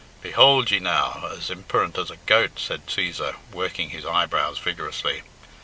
"Behould ye now, as imperent as a goat!" said Cæsar, working his eyebrows vigorously.